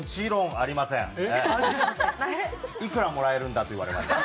「いくらもらえるんだ？」って言われました。